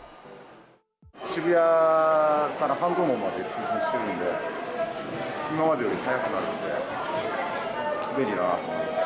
渋谷から半蔵門まで通勤しているので、今までより早くなるので、便利だなと思います。